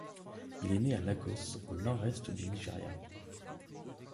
Il est né à Lagos au nord-est du Nigeria.